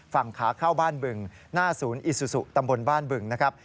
ฝั่งขาเข้าบ้านบึงหน้าศูนย์อิซูซุตำบลบ้านบึงนะครับ